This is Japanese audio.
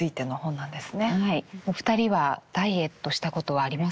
お二人はダイエットしたことはありますか？